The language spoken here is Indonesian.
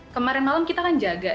kemarin malam kita kan jaga